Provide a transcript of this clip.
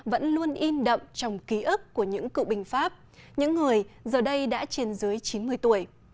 vẫn luôn in đậm trong ký ức của những cựu binh pháp những người giờ đây đã trên dưới chín mươi tuổi